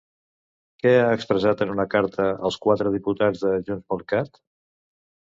Què han expressat en una carta els quatre diputats de JxCat?